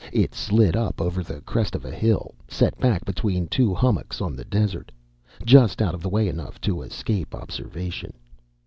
It slid up over the crest of a hill, set back between two hummocks on the desert. Just out of the way enough to escape observation.